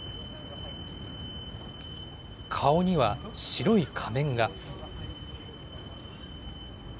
顔には白い仮面が。